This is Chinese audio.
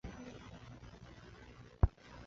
在踏入政坛之前他是每日电讯报的科技编辑。